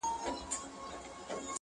اوس مي د زړه قلم ليكل نه كوي!